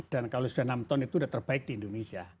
dan kalau sudah enam ton itu sudah terbaik di indonesia